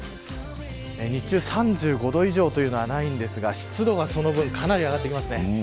日中３５度以上というのはないんですが、湿度はその分かなり上がってきます。